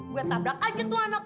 gue tabrak aja tuh anak